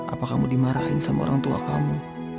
apa kamu dimarahin sama orang tua kamu